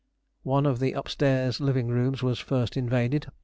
One of the upstair living rooms was first invaded.